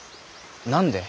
何で？